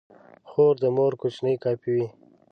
خور د مور کوچنۍ کاپي وي.